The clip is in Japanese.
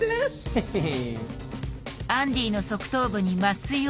ヘッヘヘ。